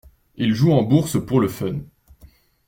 Il joue en bourse pour le fun.